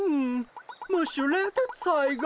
ムッシュ冷徹斎が。